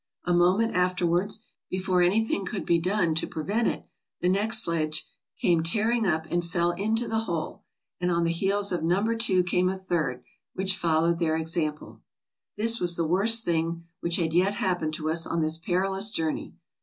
A moment afterwards, before anything could be done to prevent it, the MISCELLANEOUS 507 next sledge came tearing up and fell into the hole, and on the heels of number two came a third, which followed their example. "This was the worst thing which had yet happened to us on this perilous journey.